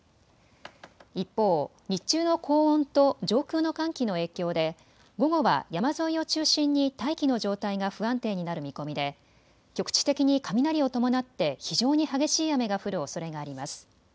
一方、日中の高温と上空の寒気の影響で午後は山沿いを中心に大気の状態が不安定になる見込みで局地的に雷を伴って非常に激しい雨が降るおそれがあります。